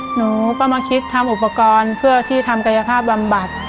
หนูก็มาคิดทำอุปกรณ์เพื่อที่ทำกายภาพบำบัด